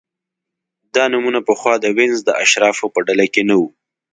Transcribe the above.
دا نومونه پخوا د وینز د اشرافو په ډله کې نه وو